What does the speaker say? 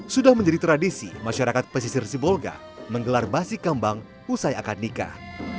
sudah menjadi tradisi masyarakat pesisir sibolga menggelar basi kambang usai akad nikah